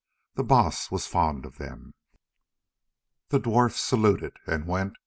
The Baas was fond of them." The dwarf saluted and went.